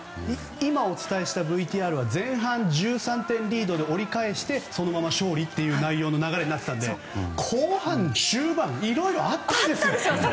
今お伝えしたＶＴＲは前半１３点リードで折り返してそのまま勝利という内容の流れになっていたので後半中盤いろいろあったんです。